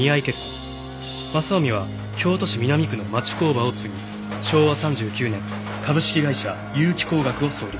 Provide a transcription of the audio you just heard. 正臣は京都市南区の町工場を継ぎ昭和３９年株式会社結城光学を創立。